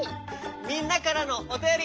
みんなからのおたより。